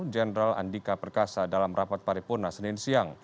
jenderal andika perkasa dalam rapat paripurna senin siang